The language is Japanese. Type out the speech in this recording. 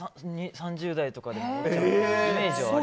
３０代とかでも、イメージは。